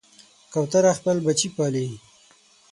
کوتره خپل بچي پالي.